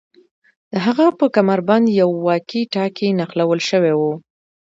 د هغه په کمربند یو واکي ټاکي نښلول شوی و